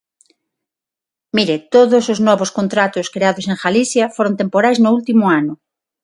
Mire, todos os novos contratos creados en Galicia foron temporais no último ano.